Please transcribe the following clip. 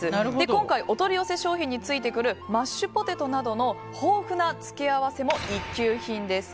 今回、お取り寄せ商品についてくるマッシュポテトなどの豊富な付け合わせも一級品です。